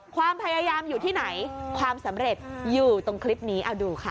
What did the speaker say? ความพยายามอยู่ที่ไหนความสำเร็จอยู่ตรงคลิปนี้เอาดูค่ะ